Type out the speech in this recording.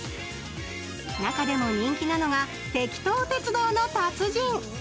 中でも人気なのがてきと鉄道の達人。